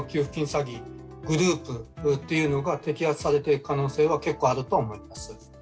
詐欺グループというのが摘発される可能性は結構あると思います。